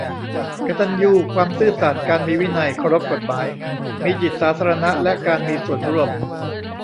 กตัญญู ความซื่อสัตย์ การมีวินัย เคารพกฎหมาย มีจิตสาธารณะและการมีส่วนร่วม